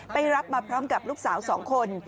ไปรับมาพร้อมกับลูกสาว๒คน